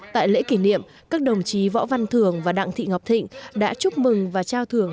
tại lễ kỷ niệm các đồng chí võ văn thường và đặng thị ngọc thịnh đã chúc mừng và trao thưởng